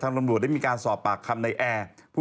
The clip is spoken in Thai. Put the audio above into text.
ตำรวจได้มีการสอบปากคำในแอร์